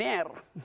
jadi prosesnya apa